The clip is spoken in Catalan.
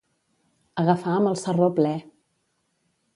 Agafar amb el sarró ple.